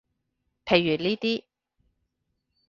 譬如呢啲